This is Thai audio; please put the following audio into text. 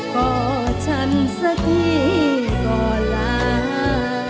ก็ฉันสักทีก็ลา